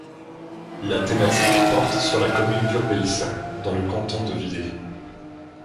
La thématique porte sur la commune d'Urbeis dans le canton de Villé.